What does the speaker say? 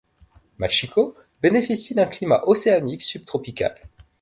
Machico bénéficie d'un climat océanique subtropical.